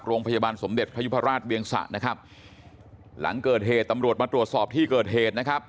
โรงพยาบาลสมเด็จพยุพราชเวียงสะนะครับหลังเกิดเหตุตำรวจมาตรวจสอบที่เกิดเหตุนะครับ